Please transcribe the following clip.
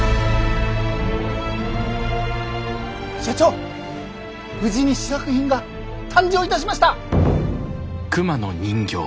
社長無事に試作品が誕生いたしました。